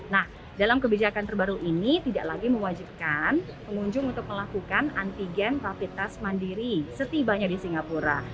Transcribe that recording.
nah dalam kebijakan terbaru ini tidak lagi mewajibkan pengunjung untuk melakukan antigen rapid test mandiri setibanya di singapura